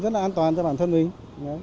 rất là an toàn cho bản thân mình